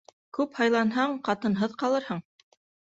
Күп һайланһаң, ҡатынһыҙ ҡалырһың.